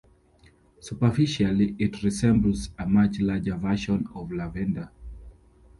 Superficially, it resembles a much larger version of lavender.